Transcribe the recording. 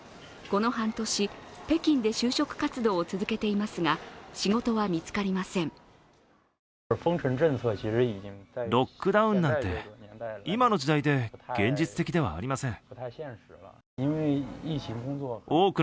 この半年、北京で就職活動を続けていますが、仕事は見つかりません。